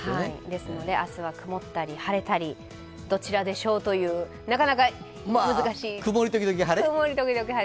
ですので明日は曇ったり晴れたり、どちらでしょうという、曇り時々晴れ。